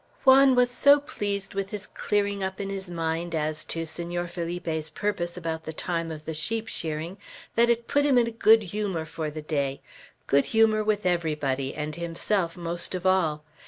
Juan was so pleased with his clearing up in his mind as to Senor Felipe's purpose about the time of the sheep shearing, that it put him in good humor for the day, good humor with everybody, and himself most of all.